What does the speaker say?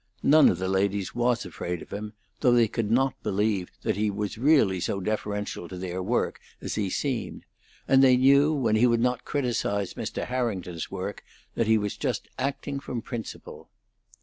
None of the ladies was afraid of him, though they could not believe that he was really so deferential to their work as he seemed; and they knew, when he would not criticise Mr. Harrington's work, that he was just acting from principle.